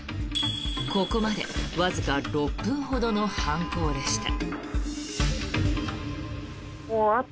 ここまでわずか６分ほどの犯行でした。